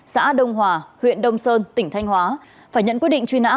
xã đông hòa huyện đông sơn tỉnh thanh hóa phải nhận quyết định truy nã